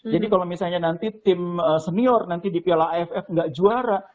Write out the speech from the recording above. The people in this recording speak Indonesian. jadi kalau misalnya nanti tim senior nanti di piala aff gak juara